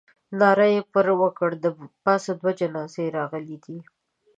ناره یې پر وکړه. د پاسه دوه جنازې راغلې دي.